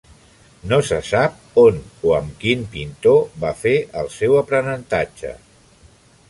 No se sap on o amb quin pintor va fer el seu aprenentatge.